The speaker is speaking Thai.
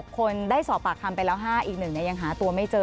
๖คนได้สอบปากคำไปแล้ว๕อีกหนึ่งเนี่ยยังหาตัวไม่เจอ